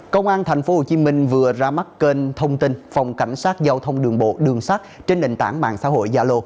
công an tp hcm vừa ra mắt kênh thông tin phòng cảnh sát giao thông đường bộ đường sắt trên định tảng mạng xã hội gia lô